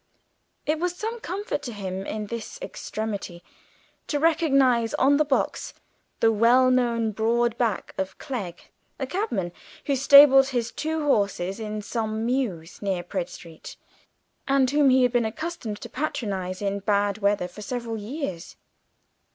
It was some comfort to him in this extremity to recognise on the box the well known broad back of Clegg, a cabman who stabled his two horses in some mews near Praed Street, and whom he had been accustomed to patronise in bad weather for several years.